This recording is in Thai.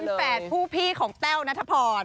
เป็นแฝดผู้พี่ของแต้วนัทพร